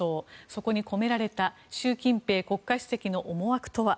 そこに込められた習近平国家主席の思惑とは。